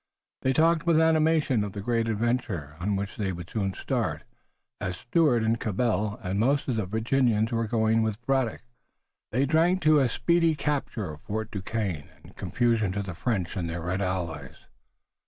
They talked with animation of the great adventure, on which they would soon start, as Stuart and Cabell and most of the Virginians were going with Braddock. They drank a speedy capture of Fort Duquesne, and confusion to the French and their red allies.